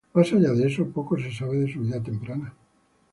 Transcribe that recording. Más allá de eso, poco se sabe de su vida temprana.